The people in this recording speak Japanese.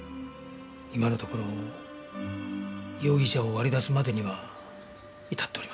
今のところ容疑者を割り出すまでには至っておりません。